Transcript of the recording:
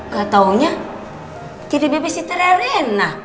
gak taunya jadi babysitternya rina